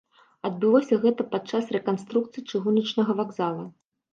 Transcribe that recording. Адбылося гэта падчас рэканструкцыі чыгуначнага вакзала.